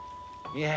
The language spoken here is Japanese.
いや。